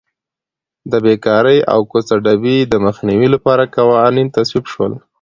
د بېکارۍ او کوڅه ډبۍ د مخنیوي لپاره قوانین تصویب شول.